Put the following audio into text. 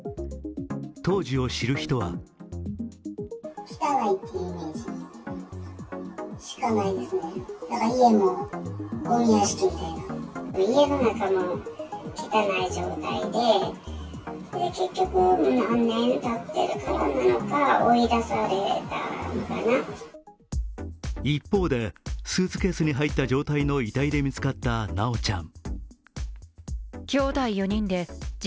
当時を知る人は一方でスーツケースに入った状態で見つかった修ちゃん。